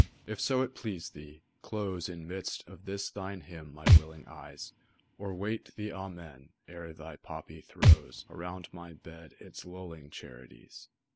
if so it please thee, close In midst of this thine hymn my willing eyes, Or wait the "Amen," ere thy poppy throws Around my bed its lulling charities.